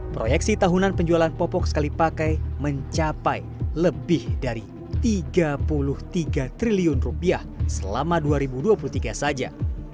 proyeksi tahunan penjualan popok sekali pakai mencapai lebih dari rp tiga puluh tiga triliun rupiah selama dua ribu dua puluh tiga saja